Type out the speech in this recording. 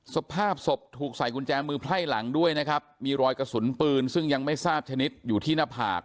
สภาพศพถูกใส่กุญแจมือไพร่หลังด้วยนะครับมีรอยกระสุนปืนซึ่งยังไม่ทราบชนิดอยู่ที่หน้าผาก